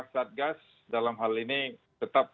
satgas dalam hal ini tetap